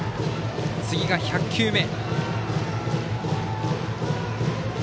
次が１００球目。